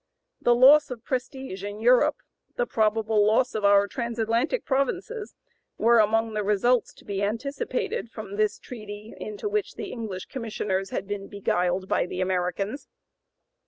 The loss of prestige in Europe, "the probable loss of our trans Atlantic provinces," were among the results to be anticipated from this treaty into which the English Commissioners had been beguiled by the Americans.